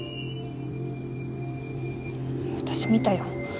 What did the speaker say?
私見たよ。